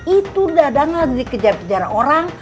itu dadang lagi dikejar kejar orang